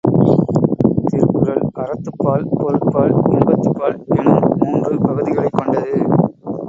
திருக்குறள் அறத்துப்பால் பொருட்பால் இன்பத்துப்பால் எனும் மூன்று பகுதிகளைக் கொண்டது